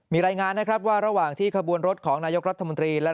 มีรายงานนะครับว่าระหว่างที่ขบวนรถของนายกรัฐมนตรี